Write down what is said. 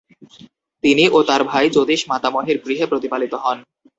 তিনি ও তার ভাই যতীশ মাতামহের গৃহে প্রতিপালিত হন।